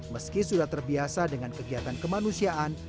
meski sudah terbiasa dengan kegiatan kemanusiaan